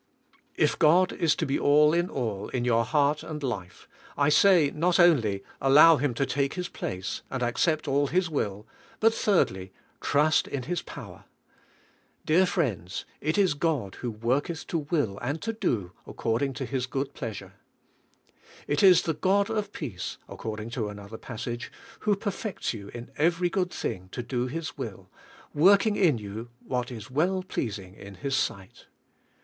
If God is to be all in all in your heart and life, I say not only, Allow Him to take His place, and accept all His will, but, thirdly, Trust in His pov; er. Dear friends, it is "God who workeih to will and to do according to His good pleasure," 'It is "the God of peace," according to another 77/. / T GOD MA Y P>E ALL I.Y . ILL i;:, passage, " who perfects you in every good thing to do His will, working in you what is well pleas ing in His sight."